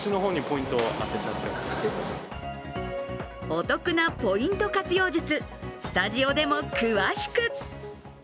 お得なポイント活用術、スタジオでも詳しく。